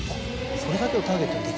それだけをターゲットにできる。